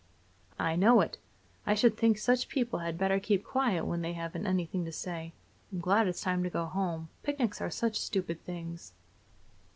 "I know it. I should think such people had better keep quiet when they haven't anything to say. I'm glad it's time to go home. Picnics are such stupid things!"